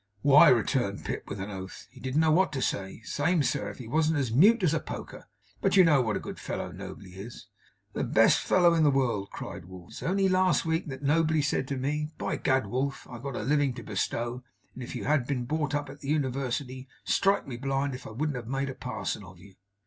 'Why,' returned Pip, with an oath. 'He didn't know what to say. Same, sir, if he wasn't as mute as a poker. But you know what a good fellow Nobley is!' 'The best fellow in the world!' cried Wolf. 'It as only last week that Nobley said to me, "By Gad, Wolf, I've got a living to bestow, and if you had but been brought up at the University, strike me blind if I wouldn't have made a parson of you!"